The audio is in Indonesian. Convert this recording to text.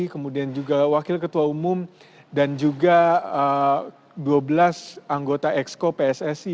kemudian juga wakil ketua umum dan juga dua belas anggota exco pssi